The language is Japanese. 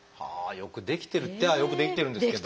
よくできてるっちゃよくできてるんですけど。